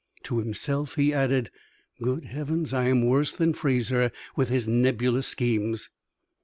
To himself he added: "Good heavens! I am worse than Fraser with his nebulous schemes!"